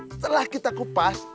setelah kita kupas